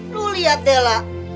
lu liat deh lah